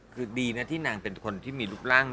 คือดีนะที่นางเป็นคนที่มีรูปร่าง